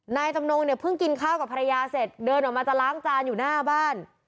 นายจำนงเนี่ยเพิ่งกินข้าวกับภรรยาเสร็จเดินออกมาจะล้างจานอยู่หน้าบ้าน